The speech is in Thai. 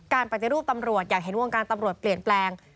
ปฏิรูปตำรวจอยากเห็นวงการตำรวจเปลี่ยนแปลง